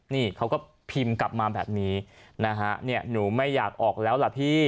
นี่เขาก็พิมพ์กลับมาแบบนี้นะฮะเนี่ยหนูไม่อยากออกแล้วล่ะพี่